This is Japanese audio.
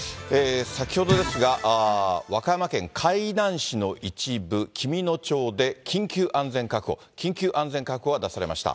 先ほどですが、和歌山県海南市の一部、紀美野町で緊急安全確保、緊急安全確保が出されました。